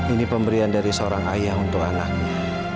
ini pemberian dari seorang ayah untuk anaknya